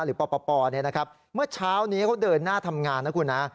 หรือปปปเนี่ยนะครับเมื่อเช้านี้เขาเดินหน้าทำงานนะคุณฮะ